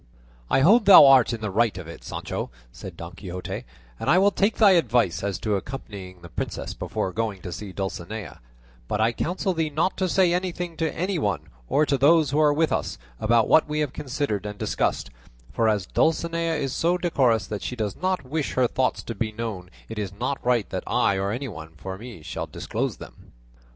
"I hold thou art in the right of it, Sancho," said Don Quixote, "and I will take thy advice as to accompanying the princess before going to see Dulcinea; but I counsel thee not to say anything to any one, or to those who are with us, about what we have considered and discussed, for as Dulcinea is so decorous that she does not wish her thoughts to be known it is not right that I or anyone for me should disclose them."